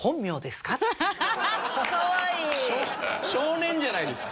少年じゃないですか。